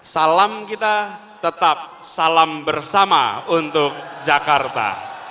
salam kita tetap salam bersama untuk jakarta